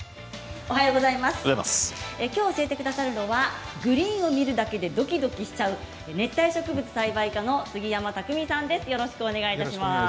きょう教えてくださるのはグリーンを見るだけでドキドキしちゃう熱帯植物栽培家の杉山拓巳さんです。